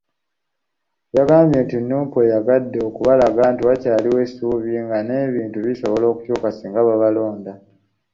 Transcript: Agambye nti Nuupu eyagadde okubalaga nti wakyaliwo essuubi nga n'ebintu bisobola okukyuka singa babalonda.